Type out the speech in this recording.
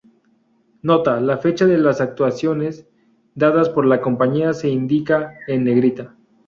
Nota: la fecha de las actuaciones dadas por la compañía se indica en negrita.